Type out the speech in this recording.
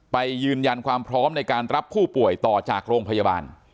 ไปยืนยันความพร้อมในการรับผู้ป่วยต่อจากโรงพยาบาล